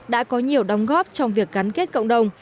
đã có nhiều đóng góp trong việc gắn kết cộng đồng